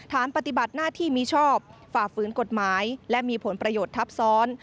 ปฏิบัติหน้าที่มีชอบฝ่าฝืนกฎหมายและมีผลประโยชน์ทับซ้อน